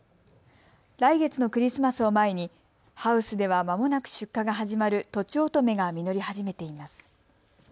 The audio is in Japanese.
来月のクリスマスを前にハウスではまもなく出荷が始まるとちおとめが実り始めています。